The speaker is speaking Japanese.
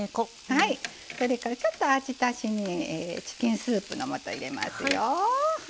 それからちょっと味足しにチキンスープの素入れますよ。